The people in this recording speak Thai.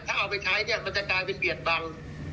ถ้าเอาไปใช้เนี่ยมันจะกลายเป็นเบียดบัง